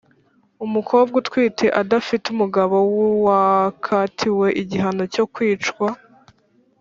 umukobwa utwite adafite umugabo wakatiwe igihano cyo kwicwa